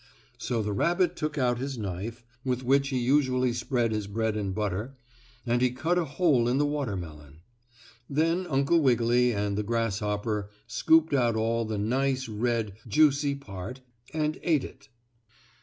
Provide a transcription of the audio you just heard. So the rabbit took out his knife, with which he usually spread his bread and butter, and he cut a hole in the watermelon. Then Uncle Wiggily and the grasshopper scooped out all the nice, red, juicy part and ate it.